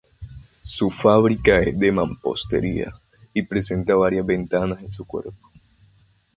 Su fábrica es de mampostería y presenta varias ventanas en su cuerpo.